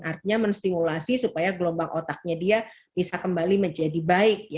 artinya menstimulasi supaya gelombang otaknya dia bisa kembali menjadi baik